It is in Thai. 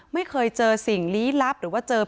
ไม่เคยเจอสิ่งลี้ลับหรือว่าเจอ